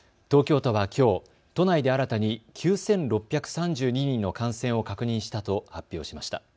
東京都はきょう都内で新たに９６３２人の感染を確認したと発表しました。